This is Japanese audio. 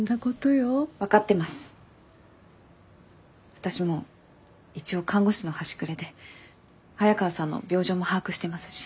私も一応看護師の端くれで早川さんの病状も把握してますし。